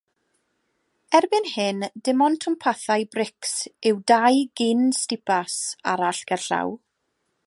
Erbyn hyn dim ond twmpathau brics yw dau gyn-stupas arall gerllaw.